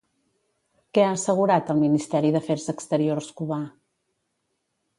Què ha assegurat el Ministeri d'Afers exteriors cubà?